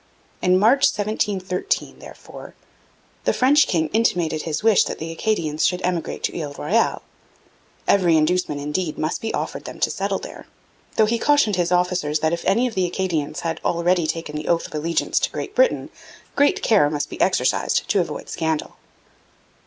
In March 1713, therefore, the French king intimated his wish that the Acadians should emigrate to Ile Royale; every inducement, indeed, must be offered them to settle there; though he cautioned his officers that if any of the Acadians had already taken the oath of allegiance to Great Britain, great care must be exercised to avoid scandal.